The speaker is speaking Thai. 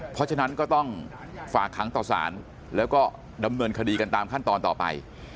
เพราะฉะนั้นก็ต้องฝากขังต่อสารแล้วก็ดำเนินคดีกันตามขั้นตอนต่อไป